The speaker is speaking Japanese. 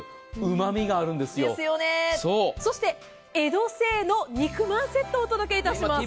そして江戸清の肉まんセットをお届けします。